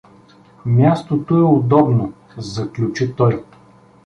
— Мястото е удобно — заключи той.